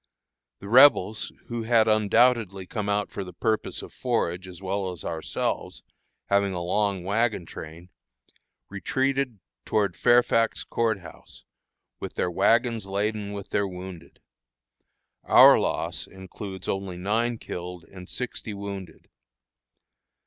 The Rebels, who had undoubtedly come out for the purpose of forage as well as ourselves, having a long wagon train, retreated toward Fairfax Court House, with their wagons laden with their wounded. Our loss includes only nine killed and sixty wounded.